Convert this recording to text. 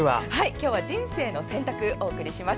今日は「人生の選択」をお送りします。